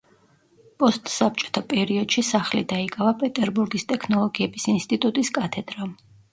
პოსტსაბჭოთა პერიოდში სახლი დაიკავა პეტერბურგის ტექნოლოგიების ინსტიტუტის კათედრამ.